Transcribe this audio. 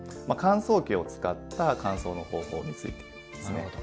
乾燥機を使った乾燥の方法についてですね。